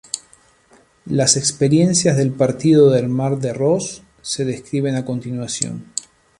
Las experiencias del partido del mar de Ross se describen a continuación.